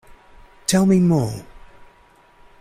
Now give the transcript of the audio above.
Tell me more.